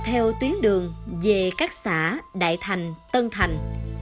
theo tuyến đường về các xã đại thành tân thành